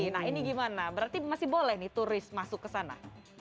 nah ini gimana berarti masih boleh nih turis masuk ke sana